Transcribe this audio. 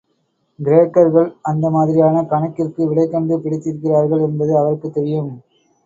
கிரேக்கர்கள் அந்த மாதிரியான கணக்கிற்கு விடைகண்டு பிடித்திருக்கிறார்கள் என்பது அவருக்குத் தெரியும்.